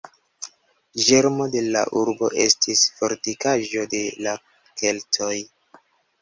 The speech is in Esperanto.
Ĝermo de la urbo estis fortikaĵo de la keltoj.